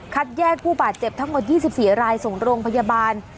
แยกผู้บาดเจ็บทั้งหมด๒๔รายส่งโรงพยาบาล